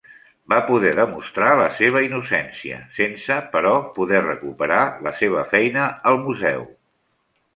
Va poder demostrar la seva innocència, sense, però, poder recuperar la seva feina al Museu.